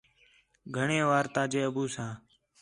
گھݨیں وار تاجے ابو ساں